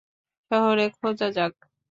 শহরে খোঁজা যাক।